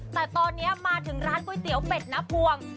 แต่ตอนนี้มาถึงร้านก๋วยเตี๋ยวเป็ดน้าพวง